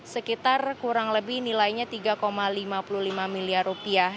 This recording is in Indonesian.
sekitar kurang lebih nilainya tiga lima puluh lima miliar rupiah